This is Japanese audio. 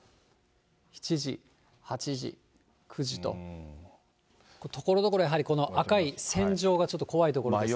７時、８時、９時と、ところどころ、やはりこの赤い線状が怖い所がありますね。